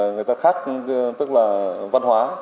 người ta khác tức là văn hóa